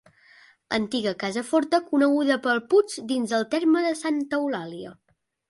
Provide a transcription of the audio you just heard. Antiga casa forta coneguda pel Puig dins el terme de Santa eulàlia.